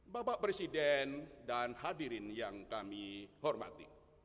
bapak presiden dan hadirin yang kami hormati